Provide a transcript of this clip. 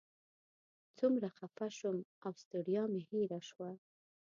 څومره خفه شوم او ستړیا مې هېره شوه.